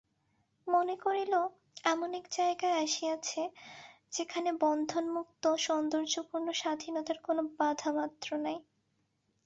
মনে করিল, এমন এক জায়গায় আসিয়াছে যেখানে বন্ধনমুক্ত সৌন্দর্যপূর্ণ স্বাধীনতার কোনো বাধামাত্র নাই।